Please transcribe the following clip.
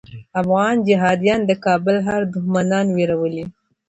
افغان جهاديان د کابل ښار دښمنان ویرولي.